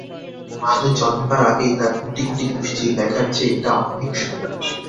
মানুষ জন্মাবার আগেই তার কোটি কোটি কুষ্ঠি লেখার চেয়ে এটা অনেক সোজা!